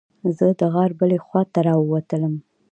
زه د غار بلې خوا ته راووتلم.